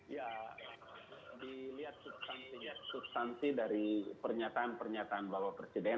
ya dilihat substansi dari pernyataan pernyataan bapak presiden